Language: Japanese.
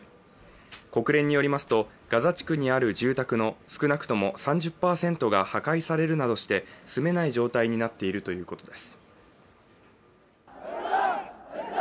国連によりますとガザ地区にある住宅の少なくとも３０％が破壊されるなどして住めない状態になっているということです。